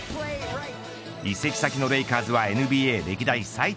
移籍先のレイカーズはＮＢＡ歴代最多